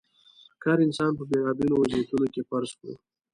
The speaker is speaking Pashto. که هر انسان په بېلابېلو وضعیتونو کې فرض کړو.